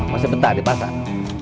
masih petah di pasar